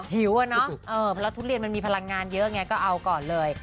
หิวอะเนาะเพราะทุเรียนมันมีพลังงานเยอะไงก็เอาก่อนเลย